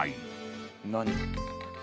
「何？」